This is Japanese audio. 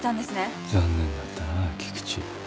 残念だったな菊地。